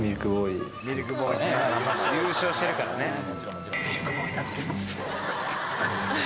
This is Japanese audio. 優勝してるからね。